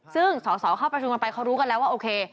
ซึ่งสอสอเข้าประชุมกันไปเขารู้กันแล้วว่าโอเค